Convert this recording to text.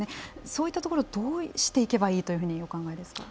そういったところどうしていけばいいというふうにお考えですか。